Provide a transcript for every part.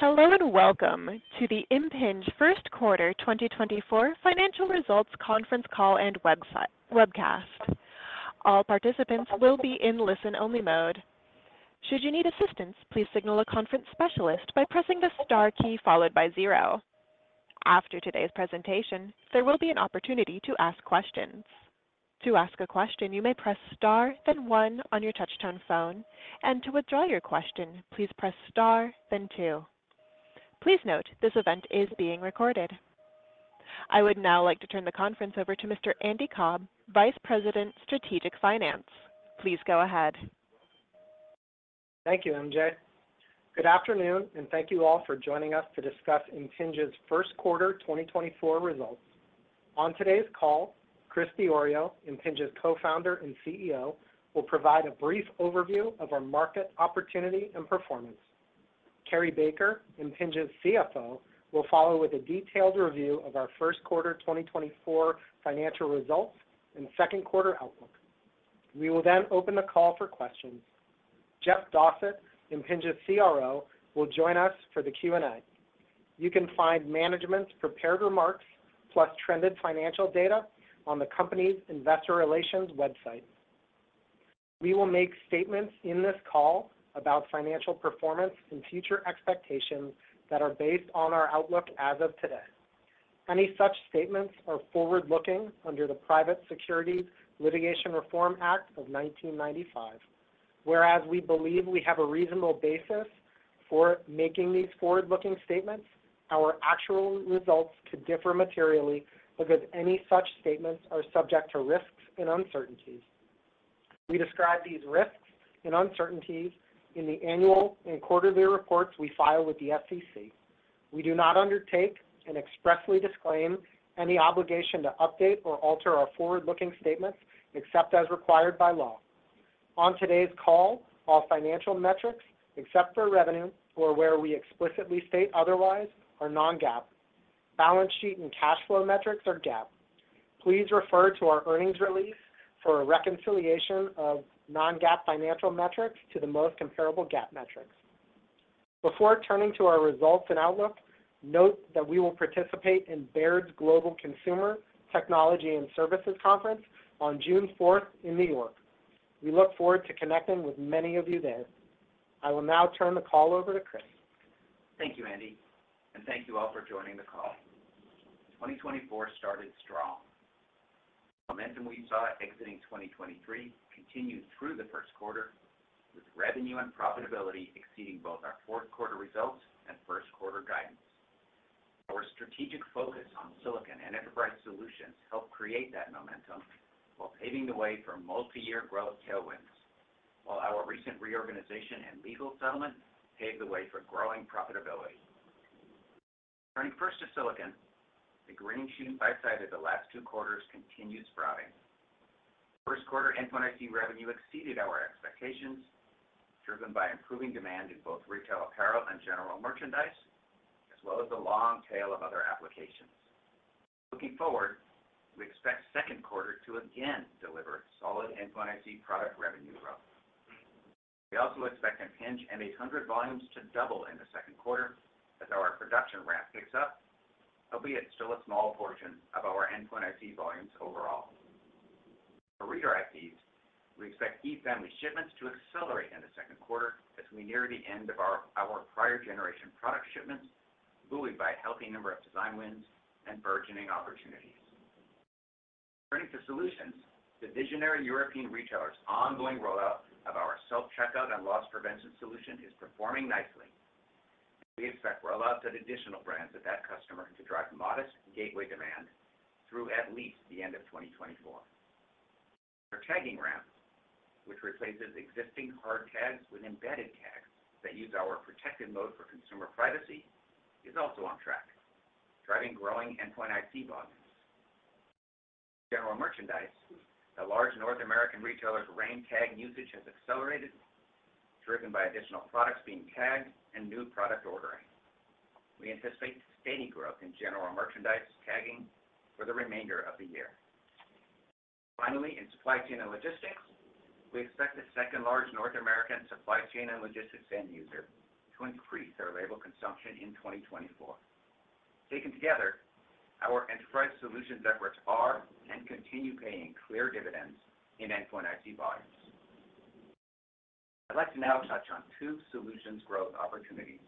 Hello and welcome to the Impinj first quarter 2024 financial results conference call and webcast. All participants will be in listen-only mode. Should you need assistance, please signal a conference specialist by pressing the star key followed by zero. After today's presentation, there will be an opportunity to ask questions. To ask a question, you may press star then one on your touch-tone phone, and to withdraw your question, please press star then two. Please note, this event is being recorded. I would now like to turn the conference over to Mr. Andy Cobb, Vice President Strategic Finance. Please go ahead. Thank you, MJ. Good afternoon, and thank you all for joining us to discuss Impinj's first quarter 2024 results. On today's call, Chris Diorio, Impinj's Co-Founder and CEO, will provide a brief overview of our market opportunity and performance. Cary Baker, Impinj's CFO, will follow with a detailed review of our first quarter 2024 financial results and second quarter outlook. We will then open the call for questions. Jeff Dossett, Impinj's CRO, will join us for the Q&A. You can find management's prepared remarks plus trended financial data on the company's investor relations website. We will make statements in this call about financial performance and future expectations that are based on our outlook as of today. Any such statements are forward-looking under the Private Securities Litigation Reform Act of 1995. Whereas we believe we have a reasonable basis for making these forward-looking statements, our actual results could differ materially because any such statements are subject to risks and uncertainties. We describe these risks and uncertainties in the annual and quarterly reports we file with the SEC. We do not undertake and expressly disclaim any obligation to update or alter our forward-looking statements except as required by law. On today's call, all financial metrics except for revenue or where we explicitly state otherwise are non-GAAP. Balance sheet and cash flow metrics are GAAP. Please refer to our earnings release for a reconciliation of non-GAAP financial metrics to the most comparable GAAP metrics. Before turning to our results and outlook, note that we will participate in Baird's Global Consumer Technology and Services Conference on June 4th in New York. We look forward to connecting with many of you there. I will now turn the call over to Chris. Thank you, Andy, and thank you all for joining the call. 2024 started strong. The momentum we saw exiting 2023 continued through the first quarter, with revenue and profitability exceeding both our fourth quarter results and first quarter guidance. Our strategic focus on silicon and enterprise solutions helped create that momentum while paving the way for multi-year growth tailwinds, while our recent reorganization and legal settlement paved the way for growing profitability. Turning first to silicon, the green shoots, bright side, of the last two quarters continued first quarter endpoint IC revenue exceeded our expectations, driven by improving demand in both retail apparel and general merchandise, as well as the long tail of other applications. Looking forward, we expect second quarter to again deliver solid endpoint IC product revenue growth. We also expect Impinj M800 volumes to double in the second quarter as our production ramp picks up, albeit still a small portion of our endpoint IC volumes overall. For Reader ICs, we expect eFamily shipments to accelerate in the second quarter as we near the end of our prior generation product shipments, buoyed by a healthy number of design wins and burgeoning opportunities. Turning to solutions, the visionary European retailer's ongoing rollout of our self-checkout and loss prevention solution is performing nicely, and we expect rollouts at additional brands of that customer to drive modest gateway demand through at least the end of 2024. Our tagging ramp, which replaces existing hard tags with embedded tags that use our protected mode for consumer privacy, is also on track, driving growing endpoint IC volumes. For general merchandise, the large North American retailer's RAIN tag usage has accelerated, driven by additional products being tagged and new product ordering. We anticipate steady growth in general merchandise tagging for the remainder of the year. Finally, in supply chain and logistics, we expect the second large North American supply chain and logistics end user to increase their label consumption in 2024. Taken together, our enterprise solutions efforts are and continue paying clear dividends in next-gen IC volumes. I'd like to now touch on two solutions growth opportunities: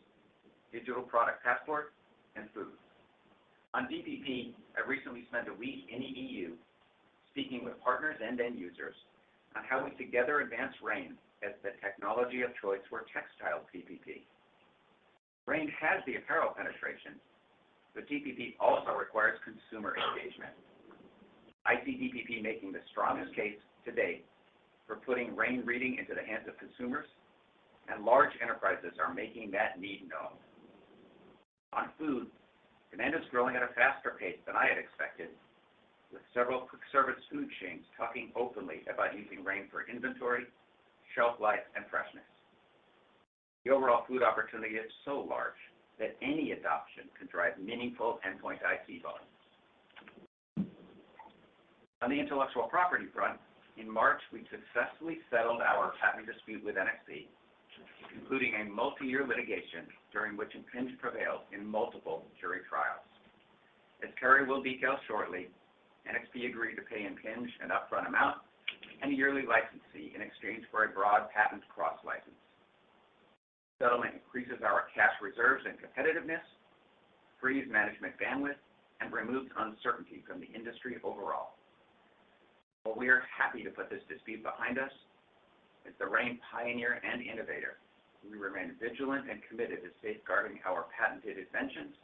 Digital Product Passport and food. On DPP, I recently spent a week in the EU speaking with partners and end users on how we together advance RAIN as the technology of choice for textile DPP. RAIN has the apparel penetration, but DPP also requires consumer engagement, i.e., DPP making the strongest case to date for putting RAIN reading into the hands of consumers, and large enterprises are making that need known. On food, demand is growing at a faster pace than I had expected, with several quick-service food chains talking openly about using RAIN for inventory, shelf life, and freshness. The overall food opportunity is so large that any adoption could drive meaningful endpoint IC volumes. On the intellectual property front, in March, we successfully settled our patent dispute with NXP, concluding a multi-year litigation during which Impinj prevailed in multiple jury trials. As Cary will detail shortly, NXP agreed to pay Impinj an upfront amount and a yearly license fee in exchange for a broad patent cross-license. Settlement increases our cash reserves and competitiveness, frees management bandwidth, and removes uncertainty from the industry overall. While we are happy to put this dispute behind us as the RAIN pioneer and innovator, we remain vigilant and committed to safeguarding our patented inventions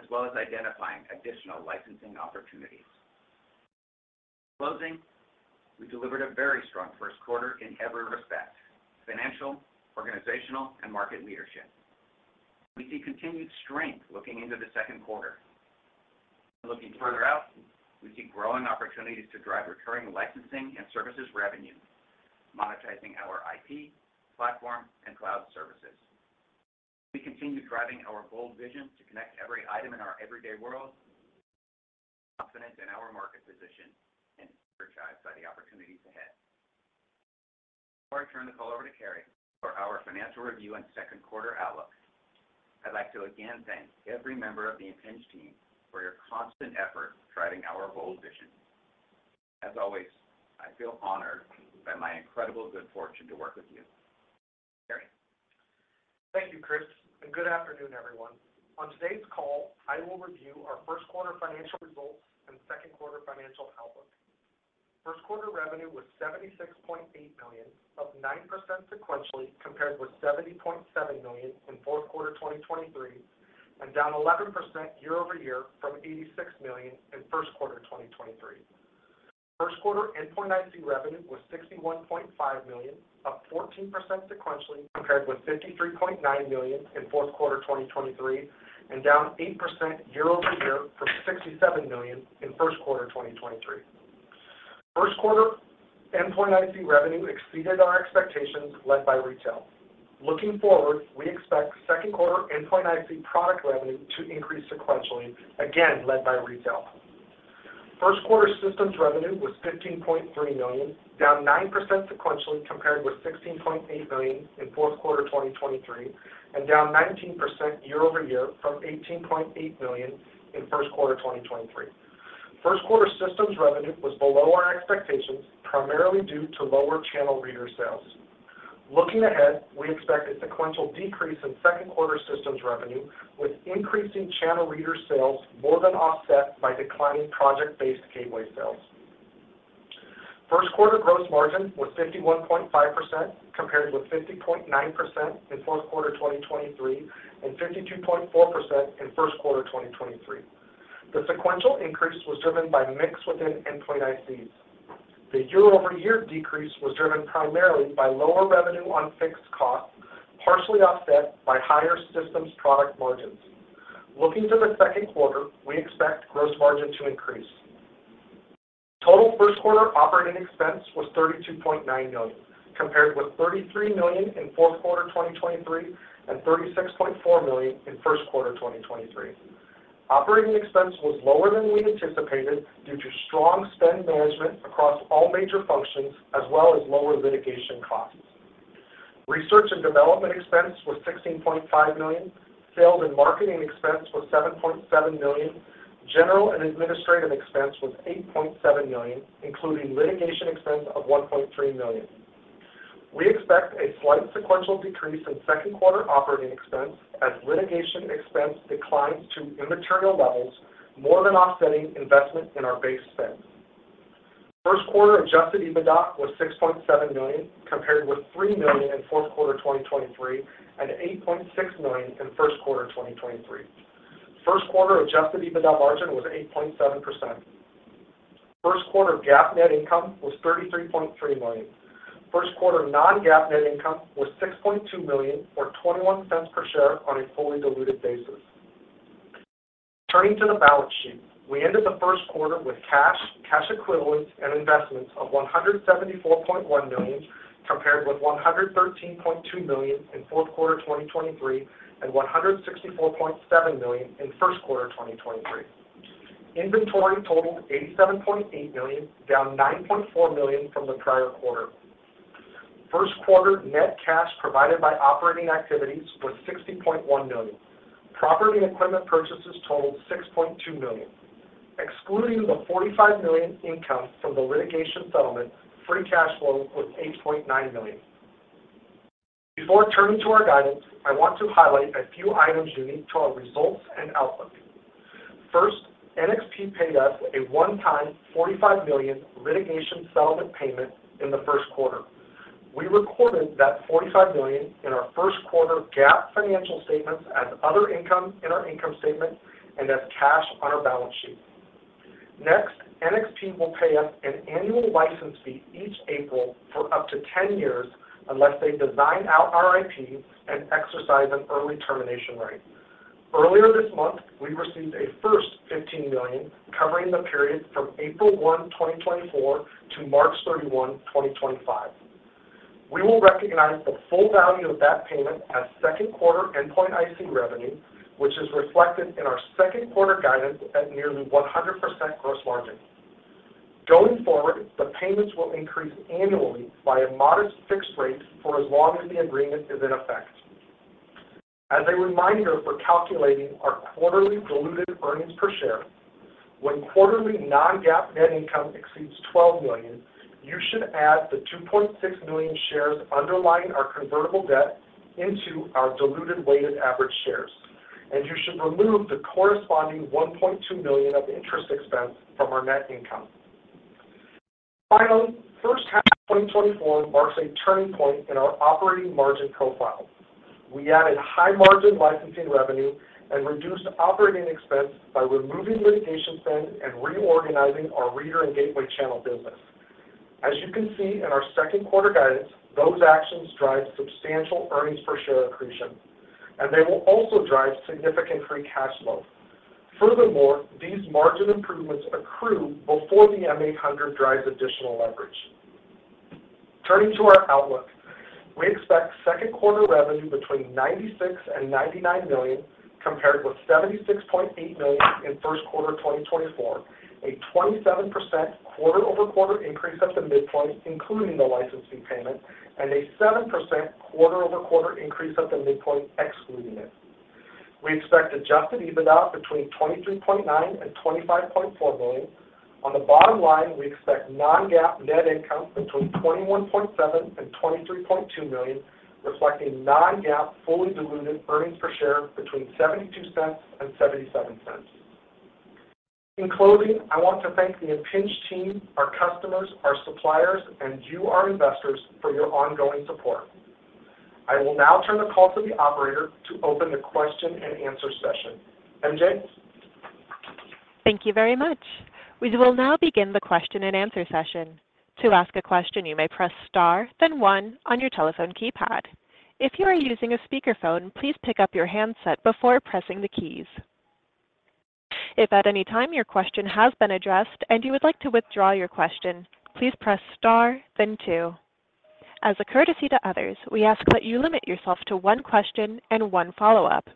as well as identifying additional licensing opportunities. In closing, we delivered a very strong first quarter in every respect: financial, organizational, and market leadership. We see continued strength looking into the second quarter. Looking further out, we see growing opportunities to drive recurring licensing and services revenue, monetizing our IP platform and cloud services. We continue driving our bold vision to connect every item in our everyday world, confidence in our market position, and energized by the opportunities ahead. Before I turn the call over to Cary for our financial review and second quarter outlook, I'd like to again thank every member of the Impinj team for your constant effort driving our bold vision. As always, I feel honored by my incredible good fortune to work with you. Cary? Thank you, Chris. Good afternoon, everyone. On today's call, I will review our first quarter financial results and second quarter financial outlook. first quarter revenue was $76.8 million, up 9% sequentially compared with $70.7 million in fourth quarter 2023 and down 11% year-over-year from $86 million in first quarter 2023. first quarter endpoint IC revenue was $61.5 million, up 14% sequentially compared with $53.9 million in fourth quarter 2023 and down 8% year-over-year from $67 million in first quarter 2023. first quarter endpoint IC revenue exceeded our expectations led by retail. Looking forward, we expect second quarter endpoint IC product revenue to increase sequentially, again led by retail. first quarter systems revenue was $15.3 million, down 9% sequentially compared with $16.8 million in fourth quarter 2023 and down 19% year-over-year from $18.8 million in first quarter 2023. first quarter systems revenue was below our expectations, primarily due to lower channel reader sales. Looking ahead, we expect a sequential decrease in second quarter systems revenue with increasing channel reader sales more than offset by declining project-based gateway sales. first quarter gross margin was 51.5% compared with 50.9% in fourth quarter 2023 and 52.4% in first quarter 2023. The sequential increase was driven by mix within endpoint ICs. The year-over-year decrease was driven primarily by lower revenue on fixed costs, partially offset by higher systems product margins. Looking to the second quarter, we expect gross margin to increase. Total first quarter operating expense was $32.9 million compared with $33 million in fourth quarter 2023 and $36.4 million in first quarter 2023. Operating expense was lower than we anticipated due to strong spend management across all major functions as well as lower litigation costs. Research and development expense was $16.5 million, sales and marketing expense was $7.7 million, general and administrative expense was $8.7 million, including litigation expense of $1.3 million. We expect a slight sequential decrease in second quarter operating expense as litigation expense declines to immaterial levels more than offsetting investment in our base spend. first quarter Adjusted EBITDA was $6.7 million compared with $3 million in fourth quarter 2023 and $8.6 million in first quarter 2023. first quarter Adjusted EBITDA margin was 8.7%. first quarter GAAP net income was $33.3 million. first quarter Non-GAAP net income was $6.2 million or $0.21 per share on a fully diluted basis. Turning to the balance sheet, we ended the first quarter with cash, cash equivalents, and investments of $174.1 million compared with $113.2 million in fourth quarter 2023 and $164.7 million in first quarter 2023. Inventory totaled $87.8 million, down $9.4 million from the prior quarter. first quarter net cash provided by operating activities was $60.1 million. Property and equipment purchases totaled $6.2 million. Excluding the $45 million income from the litigation settlement, free cash flow was $8.9 million. Before turning to our guidance, I want to highlight a few items unique to our results and outlook. First, NXP paid us a one-time $45 million litigation settlement payment in the first quarter. We recorded that $45 million in our first quarter GAAP financial statements as other income in our income statement and as cash on our balance sheet. Next, NXP will pay us an annual license fee each April for up to 10 years unless they design out our IPs and exercise an early termination right. Earlier this month, we received a first $15 million covering the period from April 1, 2024, to March 31, 2025. We will recognize the full value of that payment as second quarter endpoint IC revenue, which is reflected in our second quarter guidance at nearly 100% gross margin. Going forward, the payments will increase annually by a modest fixed rate for as long as the agreement is in effect. As a reminder for calculating our quarterly diluted earnings per share, when quarterly non-GAAP net income exceeds $12 million, you should add the 2.6 million shares underlying our convertible debt into our diluted weighted average shares, and you should remove the corresponding $1.2 million of interest expense from our net income. Finally, first half 2024 marks a turning point in our operating margin profile. We added high margin licensing revenue and reduced operating expense by removing litigation spend and reorganizing our Reader and Gateway channel business. As you can see in our second quarter guidance, those actions drive substantial earnings per share accretion, and they will also drive significant free cash flow. Furthermore, these margin improvements accrue before the M800 drives additional leverage. Turning to our outlook, we expect second quarter revenue between $96 million-$99 million compared with $76.8 million in first quarter 2024, a 27% quarter-over-quarter increase at the midpoint including the licensing payment, and a 7% quarter-over-quarter increase at the midpoint excluding it. We expect Adjusted EBITDA between $23.9 million-$25.4 million. On the bottom line, we expect non-GAAP net income between $21.7 million-$23.2 million, reflecting non-GAAP fully diluted earnings per share between $0.72 and $0.77. In closing, I want to thank the Impinj team, our customers, our suppliers, and you, our investors, for your ongoing support. I will now turn the call to the operator to open the question and answer session. MJ? Thank you very much. We will now begin the question-and-answer session. To ask a question, you may press star, then one, on your telephone keypad. If you are using a speakerphone, please pick up your handset before pressing the keys. If at any time your question has been addressed and you would like to withdraw your question, please press star, then two. As a courtesy to others, we ask that you limit yourself to one question and one follow-up.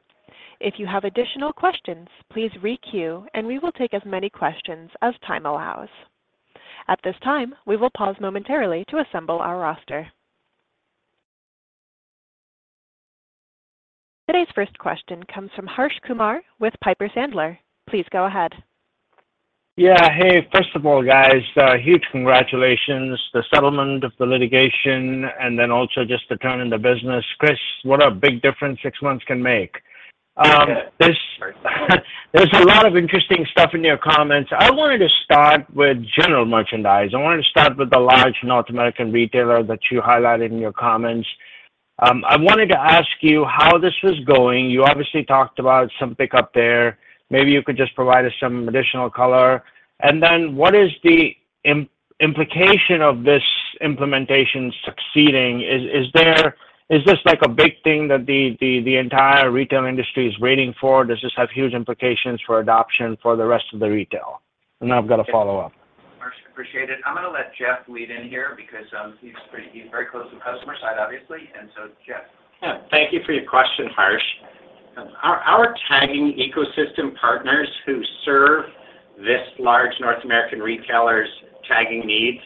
If you have additional questions, please re-queue, and we will take as many questions as time allows. At this time, we will pause momentarily to assemble our roster. Today's first question comes from Harsh Kumar with Piper Sandler. Please go ahead. Yeah. Hey, first of all, guys, huge congratulations. The settlement of the litigation and then also just the turn in the business. Chris, what a big difference six months can make. There's a lot of interesting stuff in your comments. I wanted to start with general merchandise. I wanted to start with the large North American retailer that you highlighted in your comments. I wanted to ask you how this was going. You obviously talked about some pickup there. Maybe you could just provide us some additional color. And then what is the implication of this implementation succeeding? Is this a big thing that the entire retail industry is waiting for? Does this have huge implications for adoption for the rest of the retail? And I've got to follow up. Appreciate it. I'm going to let Jeff lead in here because he's very close to the customer side, obviously. And so, Jeff. Yeah. Thank you for your question, Harsh. Our tagging ecosystem partners who serve this large North American retailer's tagging needs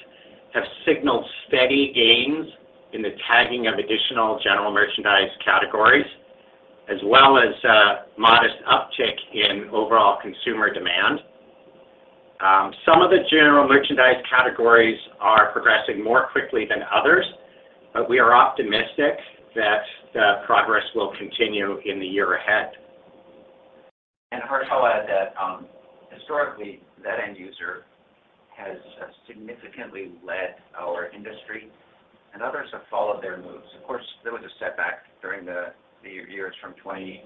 have signaled steady gains in the tagging of additional general merchandise categories as well as modest uptick in overall consumer demand. Some of the general merchandise categories are progressing more quickly than others, but we are optimistic that the progress will continue in the year ahead. And Harsh, I'll add that historically, that end user has significantly led our industry, and others have followed their moves. Of course, there was a setback during the years from 2013,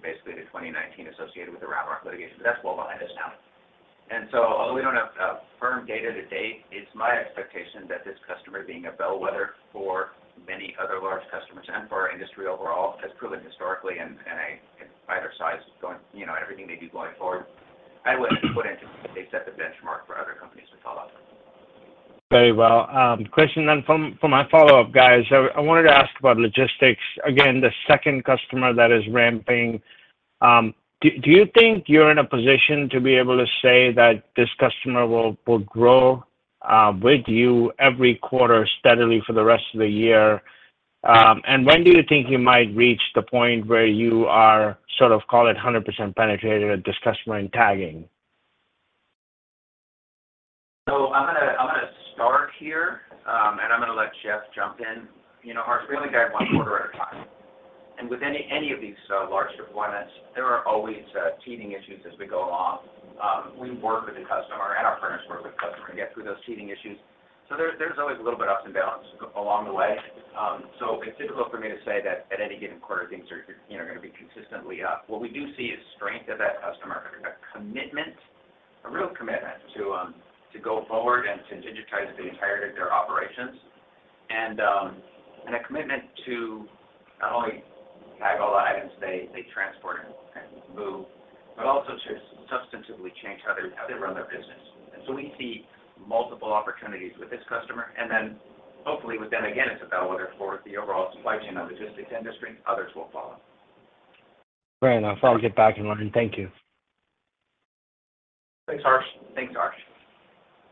basically, to 2019 associated with the Round Rock litigation, but that's well behind us now. And so, although we don't have firm data to date, it's my expectation that this customer, being a bellwether for many other large customers and for our industry overall, has proven historically and either side's going everything they do going forward, I would put into. They set the benchmark for other companies to follow. Very well. Question then from my follow-up, guys. I wanted to ask about logistics. Again, the second customer that is ramping, do you think you're in a position to be able to say that this customer will grow with you every quarter steadily for the rest of the year? And when do you think you might reach the point where you are sort of, call it, 100% penetrated at this customer in tagging? I'm going to start here, and I'm going to let Jeff jump in. Harsh, we only drive one quarter at a time. With any of these large deployments, there are always teething issues as we go along. We work with the customer, and our partners work with the customer to get through those teething issues. There's always a little bit of ups and downs along the way. It's difficult for me to say that at any given quarter, things are going to be consistently up. What we do see is strength of that customer, a commitment, a real commitment to go forward and to digitize the entirety of their operations, and a commitment to not only tag all the items they transport and move but also to substantively change how they run their business. We see multiple opportunities with this customer, and then hopefully, again, it's a bellwether for the overall supply chain and logistics industry. Others will follow. Great. I'll probably get back and learn. Thank you. Thanks, Harsh. Thanks, Harsh.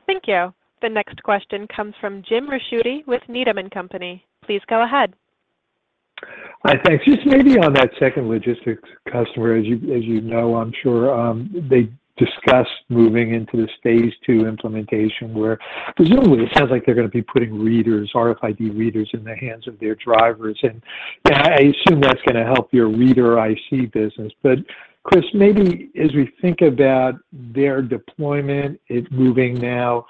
Thank you. The next question comes from Jim Ricchiuti with Needham & Company. Please go ahead. Hi. Thanks. Just maybe on that second logistics customer, as you know, I'm sure, they discussed moving into this phase two implementation where presumably, it sounds like they're going to be putting readers, RFID readers, in the hands of their drivers. And I assume that's going to help your Reader IC business. But Chris, maybe as we think about their deployment, it moving now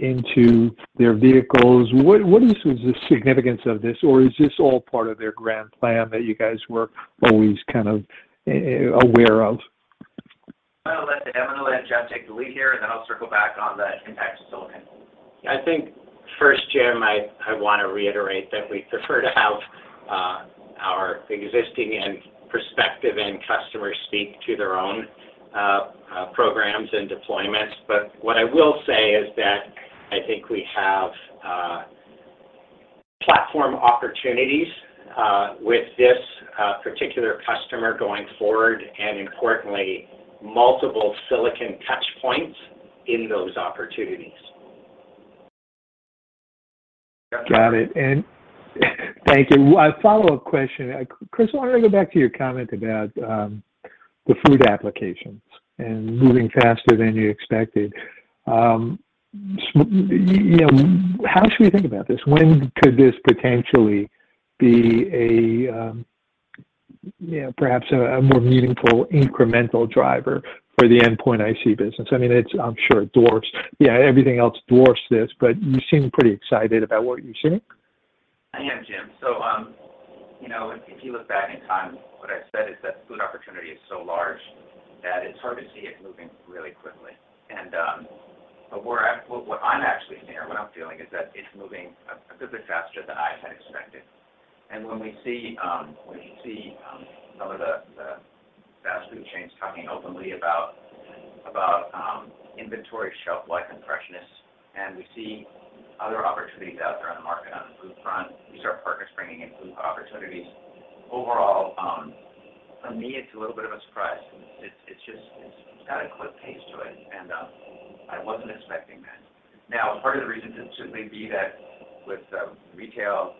into their vehicles, what is the significance of this? Or is this all part of their grand plan that you guys were always kind of aware of? I'm going to let Jeff take the lead here, and then I'll circle back on the impact to silicon. I think first, Jim, I want to reiterate that we prefer to have our existing and prospective end customers speak to their own programs and deployments. But what I will say is that I think we have platform opportunities with this particular customer going forward and, importantly, multiple silicon touchpoints in those opportunities. Got it. And thank you. Follow-up question. Chris, I wanted to go back to your comment about the food applications and moving faster than you expected. How should we think about this? When could this potentially be perhaps a more meaningful incremental driver for the Endpoint IC business? I mean, I'm sure everything else dwarfs this, but you seem pretty excited about what you're seeing. I am, Jim. So if you look back in time, what I've said is that food opportunity is so large that it's hard to see it moving really quickly. But what I'm actually seeing or what I'm feeling is that it's moving a good bit faster than I had expected. And when we see some of the fast food chains talking openly about inventory shelf life and freshness, and we see other opportunities out there on the market on the food front, we see our partners bringing in food opportunities, overall, for me, it's a little bit of a surprise. It's got a quick pace to it, and I wasn't expecting that. Now, part of the reason could simply be that with retail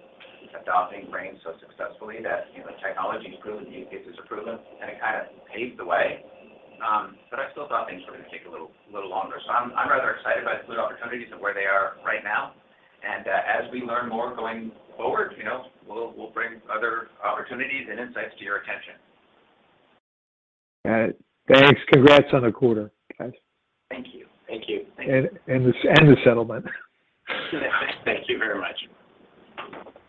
adopting RAIN so successfully, that technology has proven uses are proven, and it kind of paved the way. But I still thought things were going to take a little longer. So I'm rather excited by the food opportunities and where they are right now. And as we learn more going forward, we'll bring other opportunities and insights to your attention. Got it. Thanks. Congrats on the quarter, guys. Thank you. Thank you. Thank you. The settlement. Thank you very much.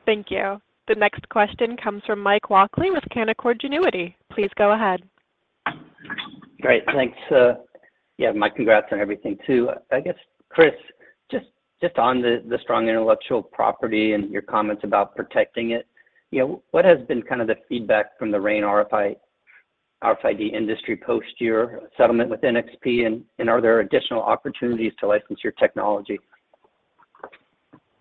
Thank you. The next question comes from Mike Walkley with Canaccord Genuity. Please go ahead. Great. Thanks. Yeah, my congrats on everything too. I guess, Chris, just on the strong intellectual property and your comments about protecting it, what has been kind of the feedback from the RAIN RFID industry post your settlement with NXP? And are there additional opportunities to license your technology?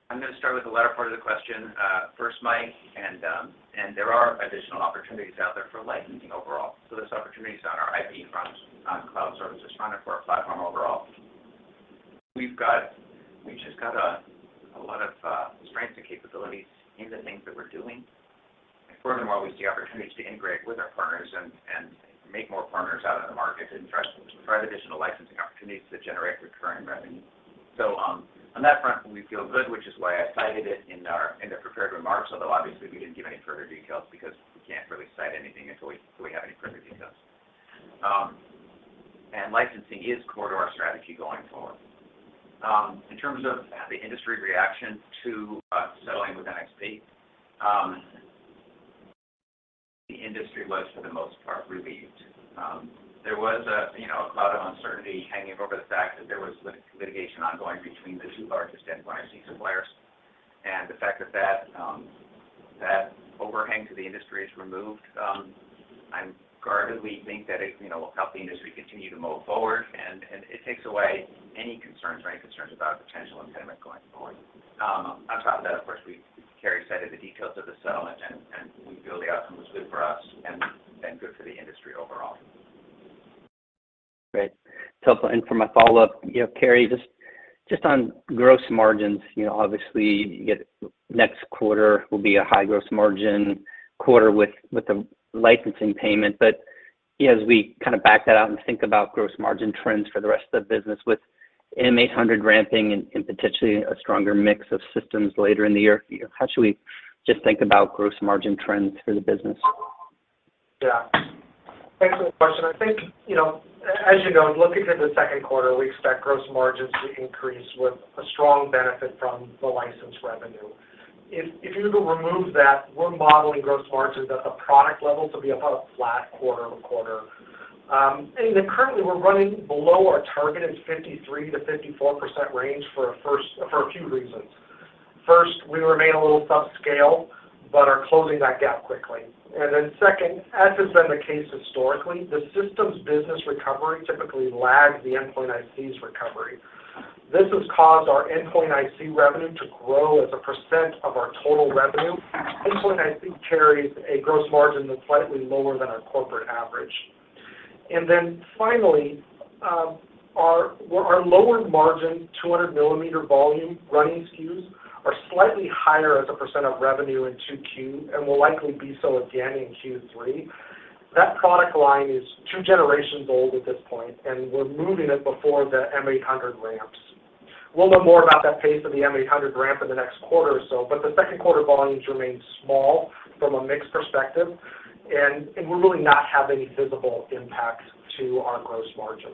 I'm going to start with the latter part of the question. First, Mike, and there are additional opportunities out there for licensing overall. So this opportunity is on our IP front, on cloud services front, and for our platform overall. We just got a lot of strengths and capabilities in the things that we're doing. And furthermore, we see opportunities to integrate with our partners and make more partners out in the market and try to provide additional licensing opportunities that generate recurring revenue. So on that front, we feel good, which is why I cited it in the prepared remarks, although obviously, we didn't give any further details because we can't really cite anything until we have any further details. And licensing is core to our strategy going forward. In terms of the industry reaction to settling with NXP, the industry was, for the most part, relieved. There was a cloud of uncertainty hanging over the fact that there was litigation ongoing between the two largest endpoint IC suppliers. The fact that that overhang to the industry is removed, I guardedly think that it will help the industry continue to move forward. It takes away any concerns or any concerns about potential impediment going forward. On top of that, of course, Cary cited the details of the settlement, and we feel the outcome was good for us and good for the industry overall. Great. Helpful. For my follow-up, Cary, just on gross margins, obviously, next quarter will be a high gross margin quarter with the licensing payment. But as we kind of back that out and think about gross margin trends for the rest of the business with M800 ramping and potentially a stronger mix of systems later in the year, how should we just think about gross margin trends for the business? Yeah. Thanks for the question. I think, as you know, looking to the second quarter, we expect gross margins to increase with a strong benefit from the license revenue. If you were to remove that, we're modeling gross margins at the product level to be about flat quarter to quarter. And currently, we're running below our targeted 53%-54% range for a few reasons. First, we remain a little subscale, but are closing that gap quickly. And then second, as has been the case historically, the system's business recovery typically lags the Endpoint IC's recovery. This has caused our Endpoint IC revenue to grow as a percent of our total revenue. Endpoint IC carries a gross margin that's slightly lower than our corporate average. And then finally, our lower margin 200 mm volume running SKUs are slightly higher as a percent of revenue in Q2 and will likely be so again in Q3. That product line is two generations old at this point, and we're moving it before the M800 ramps. We'll know more about that pace of the M800 ramp in the next quarter or so, but the second quarter volumes remain small from a mixed perspective, and we're really not having any visible impact to our gross margin.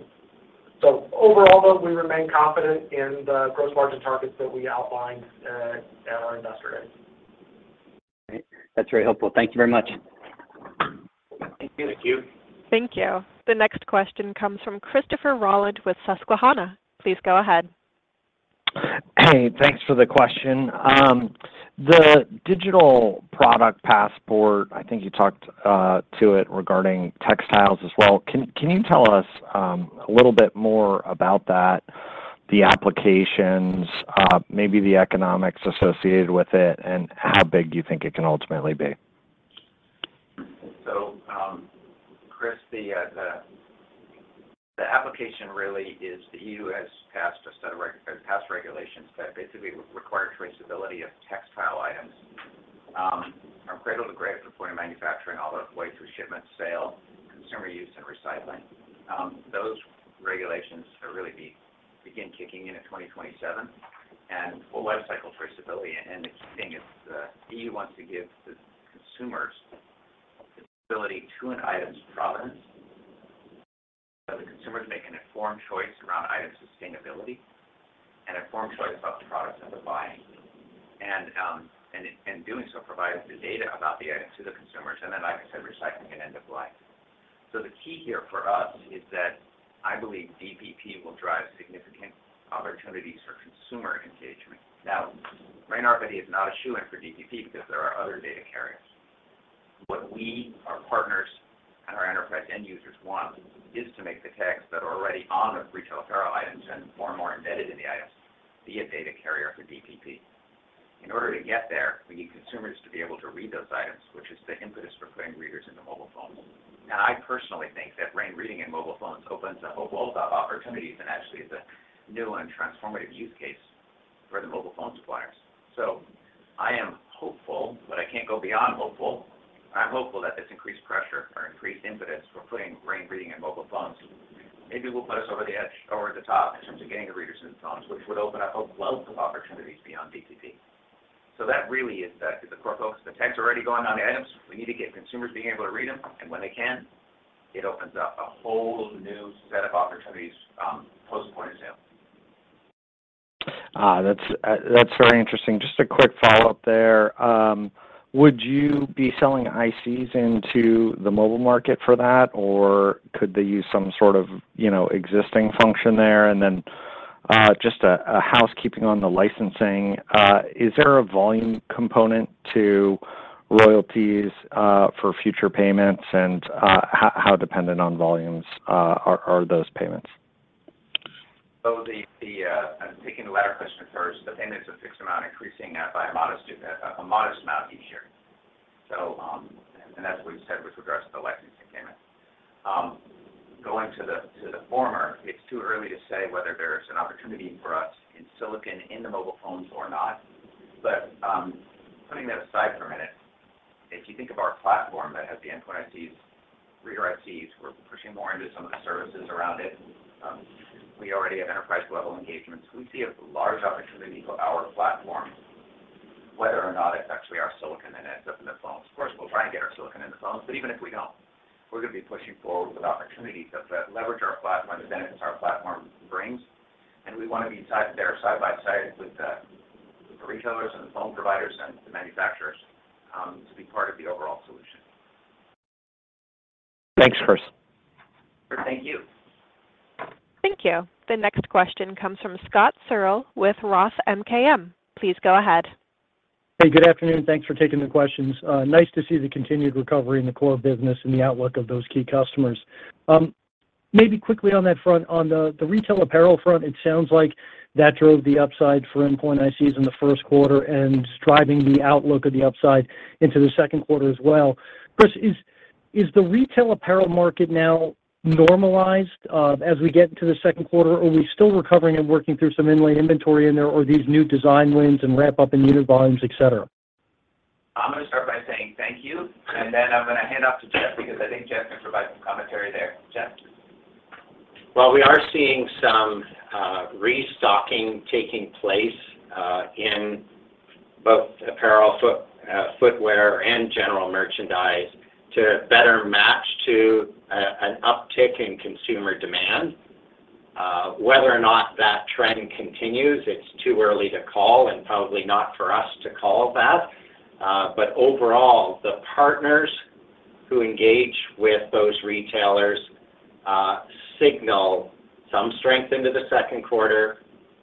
So overall, though, we remain confident in the gross margin targets that we outlined at our investor day. Great. That's very helpful. Thank you very much. Thank you. Thank you. Thank you. The next question comes from Christopher Rolland with Susquehanna. Please go ahead. Hey. Thanks for the question. The Digital Product Passport, I think you talked to it regarding textiles as well. Can you tell us a little bit more about that, the applications, maybe the economics associated with it, and how big you think it can ultimately be? So, Chris, the application really is the EU has passed a set of past regulations that basically require traceability of textile items from cradle to grave-from point of manufacturing, all the way through shipment, sale, consumer use, and recycling. Those regulations are really beginning to kick in in 2027 for lifecycle traceability. And the key thing is the EU wants to give the consumers the ability to an item's provenance so that the consumers make an informed choice around item sustainability and informed choice about the products that they're buying. And doing so provides the data about the item to the consumers. And then, like I said, recycling can end up blind. So the key here for us is that I believe DPP will drive significant opportunities for consumer engagement. Now, RAIN RFID is not a shoo-in for DPP because there are other data carriers. What we, our partners, and our enterprise end users want is to make the tags that are already on the retail apparel items and far more embedded in the items be a data carrier for DPP. In order to get there, we need consumers to be able to read those items, which is the impetus for putting readers into mobile phones. I personally think that RAIN reading in mobile phones opens up a world of opportunities and actually is a new and transformative use case for the mobile phone suppliers. I am hopeful, but I can't go beyond hopeful. I'm hopeful that this increased pressure or increased impetus for putting RAIN reading in mobile phones maybe will put us over the edge, over the top in terms of getting the readers into phones, which would open up a wealth of opportunities beyond DPP. So that really is the core focus. The tags are already going on the items. We need to get consumers being able to read them. And when they can, it opens up a whole new set of opportunities post-point of sale. That's very interesting. Just a quick follow-up there. Would you be selling ICs into the mobile market for that, or could they use some sort of existing function there? And then just housekeeping on the licensing, is there a volume component to royalties for future payments, and how dependent on volumes are those payments? So I'm taking the latter question first. The payment is a fixed amount increasing by a modest amount each year. And that's what we said with regards to the licensing payment. Going to the former, it's too early to say whether there's an opportunity for us in silicon in the mobile phones or not. But putting that aside for a minute, if you think of our platform that has the Endpoint ICs, Reader ICs, we're pushing more into some of the services around it. We already have enterprise-level engagements. We see a large opportunity for our platform, whether or not it's actually our silicon that ends up in the phones. Of course, we'll try and get our silicon in the phones, but even if we don't, we're going to be pushing forward with opportunities that leverage our platform, the benefits our platform brings. We want to be there side by side with the retailers and the phone providers and the manufacturers to be part of the overall solution. Thanks, Chris. Thank you. Thank you. The next question comes from Scott Searle with Roth MKM. Please go ahead. Hey. Good afternoon. Thanks for taking the questions. Nice to see the continued recovery in the core business and the outlook of those key customers. Maybe quickly on that front, on the retail apparel front, it sounds like that drove the upside for Endpoint ICs in the first quarter and is driving the outlook of the upside into the second quarter as well. Chris, is the retail apparel market now normalized as we get into the second quarter, or are we still recovering and working through some in-line inventory in there, or are these new design wins and ramp-up in unit volumes, etc.? I'm going to start by saying thank you. Then I'm going to hand off to Jeff because I think Jeff can provide some commentary there. Jeff? Well, we are seeing some restocking taking place in both apparel, footwear, and general merchandise to better match to an uptick in consumer demand. Whether or not that trend continues, it's too early to call and probably not for us to call that. But overall, the partners who engage with those retailers signal some strength into the second quarter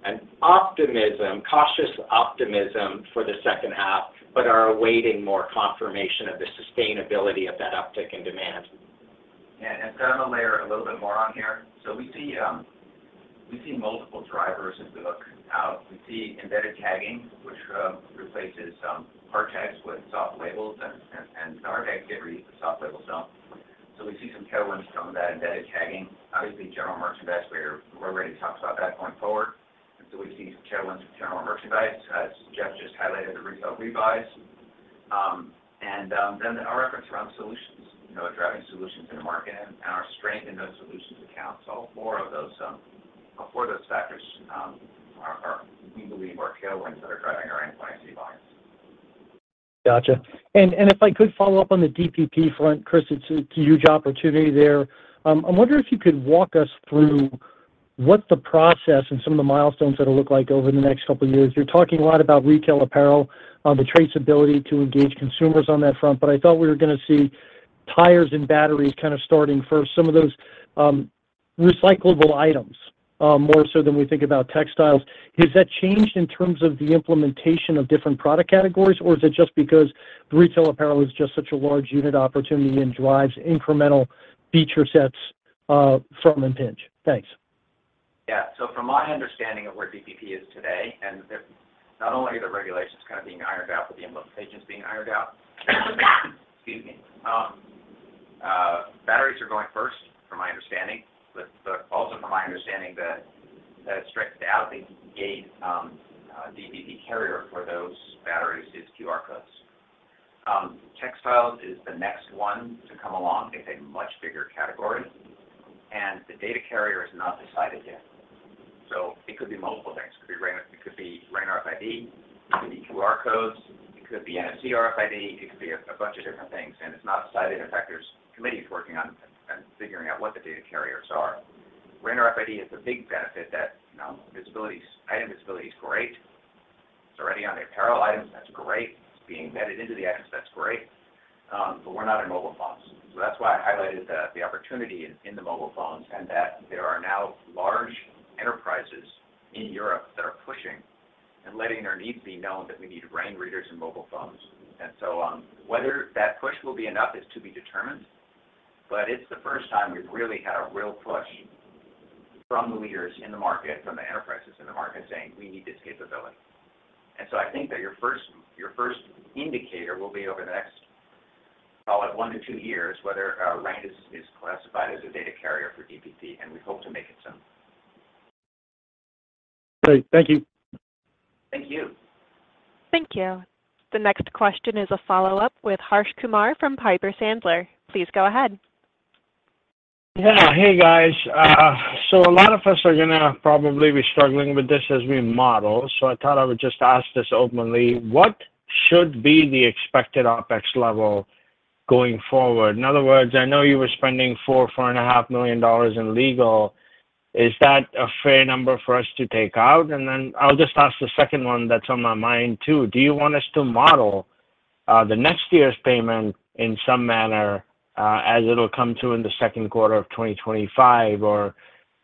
and cautious optimism for the second half but are awaiting more confirmation of the sustainability of that uptick in demand. Yeah. And I'm going to layer a little bit more on here. So we see multiple drivers as we look out. We see embedded tagging, which replaces hard tags with soft labels. And our tags get reused, but soft labels don't. So we see some tailwinds from that embedded tagging. Obviously, general merchandise, we already talked about that going forward. And so we see some tailwinds for general merchandise, as Jeff just highlighted, the retail rebuys. And then our efforts around solutions, driving solutions in the market, and our strength in those solutions accounts. All four of those factors, we believe, are tailwinds that are driving our Endpoint IC volumes. Gotcha. And if I could follow up on the DPP front, Chris, it's a huge opportunity there. I'm wondering if you could walk us through what's the process and some of the milestones that it'll look like over the next couple of years. You're talking a lot about retail apparel, the traceability to engage consumers on that front, but I thought we were going to see tires and batteries kind of starting first, some of those recyclable items more so than we think about textiles. Has that changed in terms of the implementation of different product categories, or is it just because the retail apparel is just such a large unit opportunity and drives incremental feature sets from Impinj? Thanks. Yeah. So from my understanding of where DPP is today, and not only are the regulations kind of being ironed out but the implementation's being ironed out. Excuse me. Batteries are going first, from my understanding, but also from my understanding that straight out the gate DPP carrier for those batteries is QR codes. Textiles is the next one to come along. It's a much bigger category. And the data carrier is not decided yet. So it could be multiple things. It could be RAIN RFID. It could be QR codes. It could be NFC RFID. It could be a bunch of different things. And it's not decided. In fact, there's committees working on figuring out what the data carriers are. RAIN RFID is a big benefit that item visibility is great. It's already on the apparel items. That's great. It's being embedded into the items. That's great. But we're not in mobile phones. So that's why I highlighted the opportunity in the mobile phones and that there are now large enterprises in Europe that are pushing and letting their needs be known that we need RAIN readers in mobile phones. And so whether that push will be enough is to be determined, but it's the first time we've really had a real push from the leaders in the market, from the enterprises in the market, saying, "We need this capability." And so I think that your first indicator will be over the next, call it, one to two years, whether RAIN is classified as a data carrier for DPP. And we hope to make it soon. Great. Thank you. Thank you. Thank you. The next question is a follow-up with Harsh Kumar from Piper Sandler. Please go ahead. Yeah. Hey, guys. So a lot of us are going to probably be struggling with this as we model. So I thought I would just ask this openly. What should be the expected OpEx level going forward? In other words, I know you were spending $4million-$4.5 million in legal. Is that a fair number for us to take out? And then I'll just ask the second one that's on my mind too. Do you want us to model the next year's payment in some manner as it'll come to in the second quarter of 2025, or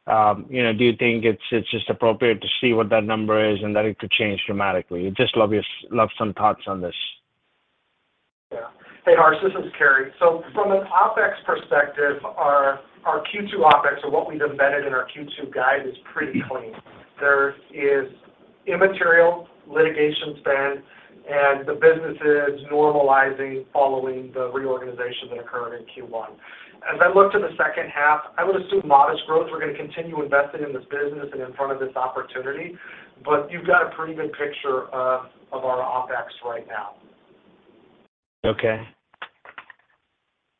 do you think it's just appropriate to see what that number is and that it could change dramatically? I'd just love some thoughts on this. Yeah. Hey, Harsh. This is Cary. So from an OpEx perspective, our Q2 OpEx or what we've embedded in our Q2 guide is pretty clean. There is immaterial litigation spend, and the business is normalizing following the reorganization that occurred in Q1. As I look to the second half, I would assume modest growth. We're going to continue investing in this business and in front of this opportunity, but you've got a pretty good picture of our OpEx right now. Okay.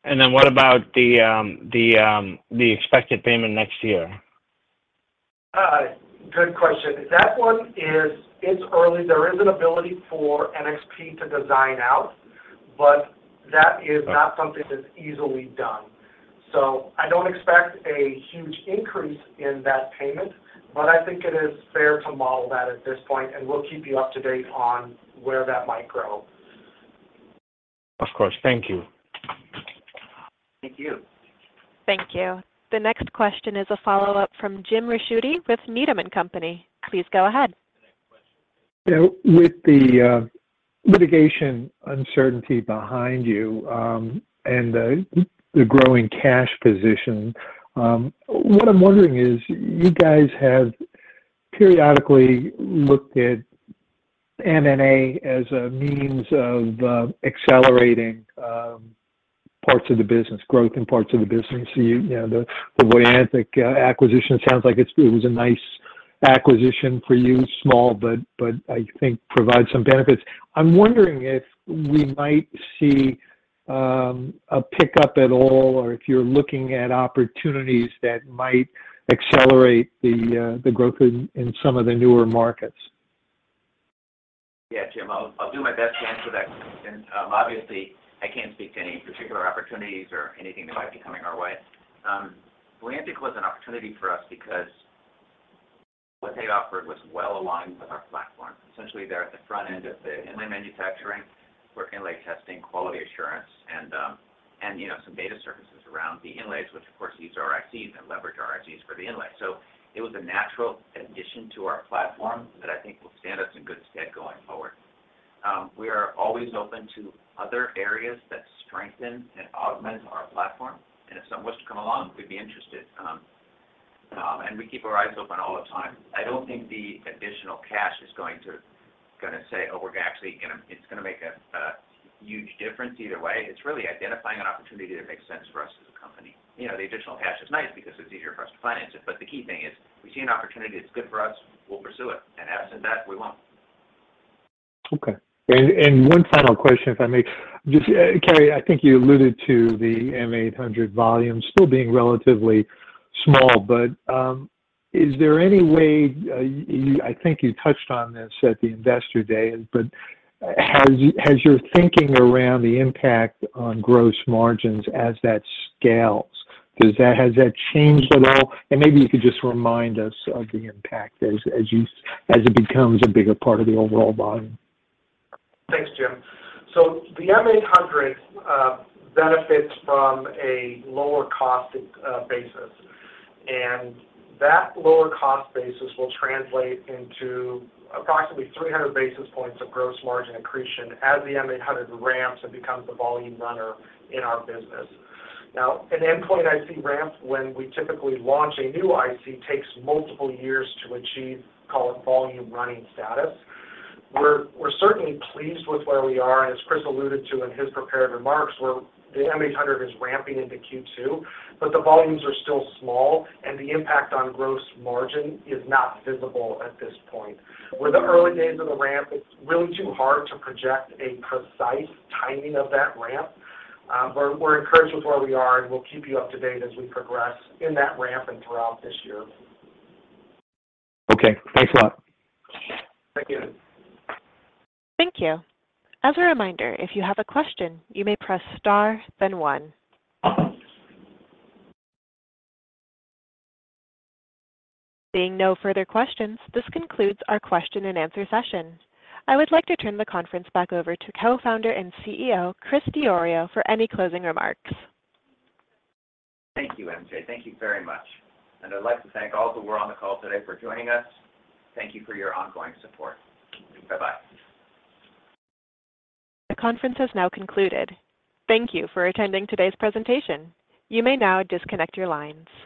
And then what about the expected payment next year? Good question. That one, it's early. There is an ability for NXP to design out, but that is not something that's easily done. So I don't expect a huge increase in that payment, but I think it is fair to model that at this point, and we'll keep you up to date on where that might grow. Of course. Thank you. Thank you. Thank you. The next question is a follow-up from Jim Ricchiuti with Needham & Company. Please go ahead. Yeah. With the litigation uncertainty behind you and the growing cash position, what I'm wondering is you guys have periodically looked at M&A as a means of accelerating parts of the business, growth in parts of the business. So the Voyantic acquisition sounds like it was a nice acquisition for you, small, but I think provides some benefits. I'm wondering if we might see a pickup at all or if you're looking at opportunities that might accelerate the growth in some of the newer markets. Yeah, Jim. I'll do my best to answer that question. Obviously, I can't speak to any particular opportunities or anything that might be coming our way. Voyantic was an opportunity for us because what they offered was well aligned with our platform. Essentially, they're at the front end of the in-line manufacturing, work-in-lay testing, quality assurance, and some data services around the inlays, which, of course, use our ICs and leverage our ICs for the inlays. So it was a natural addition to our platform that I think will stand us in good stead going forward. We are always open to other areas that strengthen and augment our platform. And if something was to come along, we'd be interested. And we keep our eyes open all the time. I don't think the additional cash is going to say, "Oh, we're actually going to—it's going to make a huge difference either way." It's really identifying an opportunity that makes sense for us as a company. The additional cash is nice because it's easier for us to finance it. But the key thing is we see an opportunity that's good for us. We'll pursue it. And absent that, we won't. Okay. And one final question, if I may. Cary, I think you alluded to the M800 volume still being relatively small, but is there any way I think you touched on this at the Investor Day, but has your thinking around the impact on gross margins as that scales? Has that changed at all? And maybe you could just remind us of the impact as it becomes a bigger part of the overall volume. Thanks, Jim. So the M800 benefits from a lower-cost basis. And that lower-cost basis will translate into approximately 300 basis points of gross margin accretion as the M800 ramps and becomes the volume runner in our business. Now, an Endpoint IC ramp when we typically launch a new IC takes multiple years to achieve, call it, volume running status. We're certainly pleased with where we are, and as Chris alluded to in his prepared remarks, where the M800 is ramping into Q2, but the volumes are still small, and the impact on gross margin is not visible at this point. We're in the early days of the ramp. It's really too hard to project a precise timing of that ramp. But we're encouraged with where we are, and we'll keep you up to date as we progress in that ramp and throughout this year. Okay. Thanks a lot. Thank you. Thank you. As a reminder, if you have a question, you may press star, then one. Seeing no further questions, this concludes our question-and-answer session. I would like to turn the conference back over to Co-Founder and CEO Chris Diorio for any closing remarks. Thank you, MJ. Thank you very much. I'd like to thank all who were on the call today for joining us. Thank you for your ongoing support. Bye-bye. The conference has now concluded. Thank you for attending today's presentation. You may now disconnect your lines.